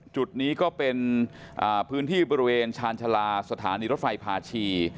จุดนี้ก็เป็นอ่าพื้นที่บริเวณชาญชาลาศดรภัยพาชี